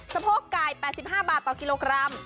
โพกไก่๘๕บาทต่อกิโลกรัม